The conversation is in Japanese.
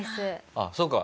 あっそうか。